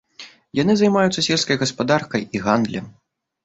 Яны займаюцца сельскай гаспадаркай і гандлем.